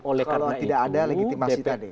oleh karena itu